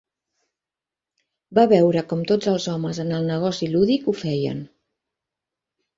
Va veure com tots els homes en el negoci lúdic ho feien.